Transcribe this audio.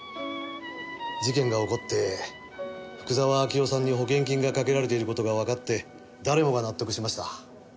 事件が起こって福沢明夫さんに保険金がかけられている事がわかって誰もが納得しました。